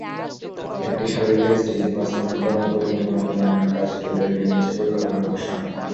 একটি সার্বিক এসডিজি বাস্তবায়ন কর্মপরিকল্পনা প্রণয়নের কাজ দ্রুত এগিয়ে নিচ্ছে পরিকল্পনা কমিশন।